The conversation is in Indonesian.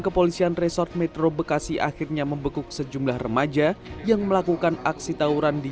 kepolisian resort metro bekasi akhirnya membekuk sejumlah remaja yang melakukan aksi tawuran di